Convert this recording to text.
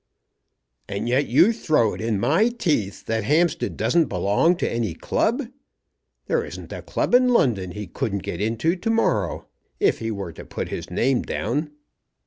"And yet you throw it in my teeth that Hampstead doesn't belong to any club! There isn't a club in London he couldn't get into to morrow, if he were to put his name down."